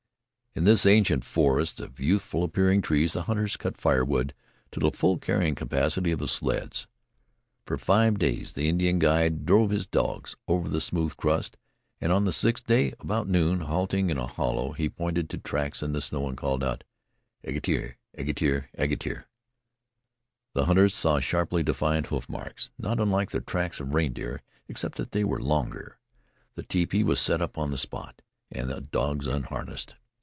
In this ancient forest of youthful appearing trees, the hunters cut firewood to the full carrying capacity of the sleds. For five days the Indian guide drove his dogs over the smooth crust, and on the sixth day, about noon, halting in a hollow, he pointed to tracks in the snow and called out: "Ageter! Ageter! Ageter!" The hunters saw sharply defined hoof marks, not unlike the tracks of reindeer, except that they were longer. The tepee was set up on the spot and the dogs unharnessed.